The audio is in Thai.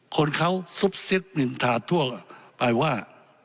คนเขาซุบซิคนินทาทั่วไปว่า